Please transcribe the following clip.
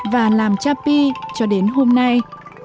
và làm cha pi cho đến hôm nay